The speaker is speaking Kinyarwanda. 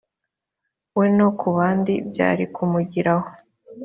we no ku bandi byari kumugiraho